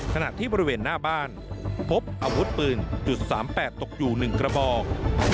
ขณะที่บริเวณหน้าบ้านพบอาวุธปืน๓๘ตกอยู่๑กระบอก